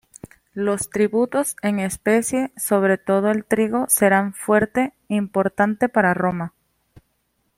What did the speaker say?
Los tributos en especie, sobre todo el trigo, serán fuente importante para Roma.